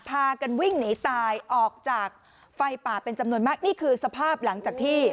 พากันวิ่งหนีตายออกจากไฟป่าเป็นจำนวนมากนี่คือสภาพหลังจากที่